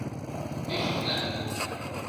Кӧ чикта